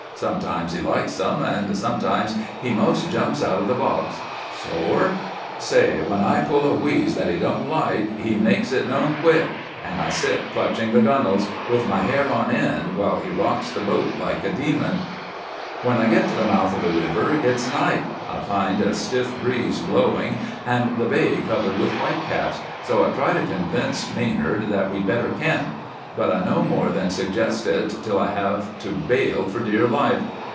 Sometimes he likes them, and sometimes he 'most jumps out of the box. Sore? Say, when I pull a wheeze that he don't like he makes it known quick, and I sit clutching the gunnels, with my hair on end while he rocks the boat like a demon. "When I get to the mouth of the river it's night. I find a stiff breeze blowing and the bay covered with whitecaps, so I try to convince Manard that we'd better camp. But I no more than suggest it till I have to bail for dear life.